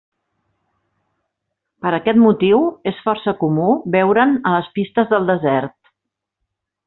Per aquest motiu, és força comú veure'n a les pistes del desert.